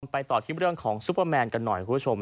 ไปต่อที่เรื่องของซุปเปอร์แมนกันหน่อยคุณผู้ชม